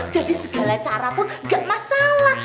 jadi segala carapun gak masalah